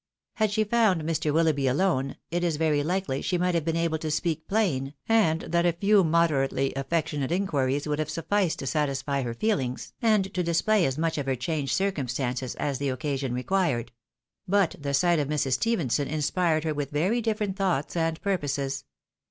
Had she found Mr. Willoughby alone, it is very likely she might have been able to speak plain, and that a few moderate affectionate inquiries would have sufficed to satisfy her feelings, and to display as much of her changed circumstances as the occasion required ; but the sight of Mrs. Stephenson inspired her with very different thoughts and purposes.